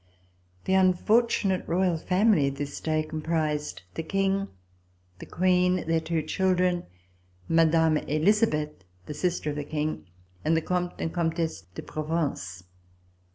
The unfortunate Royal family this day comprised the King, the Queen, their two children, Mme. Elisabeth, the sister of the King, and the Comte and Comtesse de Provence.